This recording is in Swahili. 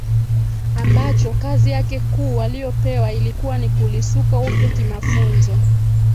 ambacho kazi yake kuu waliyopewa ilikuwa ni kulisuka upya kimafunzo